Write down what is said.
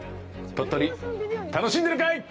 鳥取、楽しんでるかいっ！